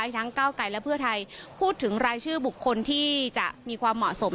ทั้งเก้าไกรและเพื่อไทยพูดถึงรายชื่อบุคคลที่จะมีความเหมาะสม